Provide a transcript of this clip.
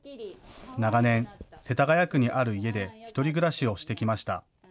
長年、世田谷区にある家で１人暮らしをしてきました。